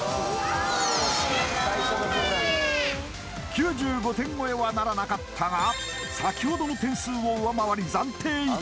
９５点超えはならなかったが先ほどの点数を上回り